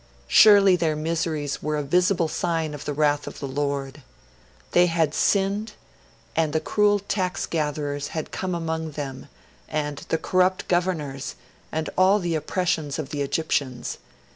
Surely their miseries were a visible sign of the wrath of the Lord. They had sinned, and the cruel tax gatherers had come among them, and the corrupt governors, and all the oppressions of the Egyptians.